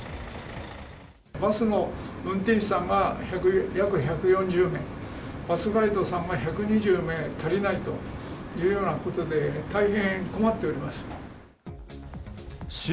バスの運転手さんが約１４０名、バスガイドさんが１２０名足りないというようなことで、大変困っております。